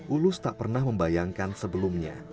ulus tak pernah membayangkan sebelumnya